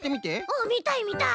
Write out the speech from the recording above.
うんみたいみたい。